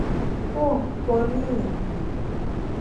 ওহ, Pauline.